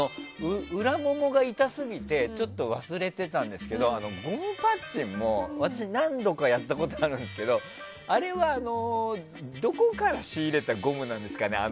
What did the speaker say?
裏ももが痛すぎてちょっと忘れてたんですけどゴムパッチンも私、何度かやったことあるんですけどあれは、どこから仕入れたゴムなんですかね？